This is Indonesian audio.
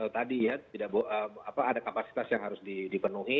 tadi ya tidak ada kapasitas yang harus dipenuhi